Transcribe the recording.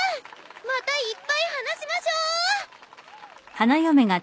またいっぱい話しましょう！